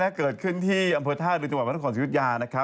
นี้เกิดขึ้นที่อัมเภอ๕เรือจังหวัดพนักของศิพยา